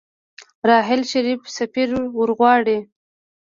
راحیل شريف سفير ورغواړي.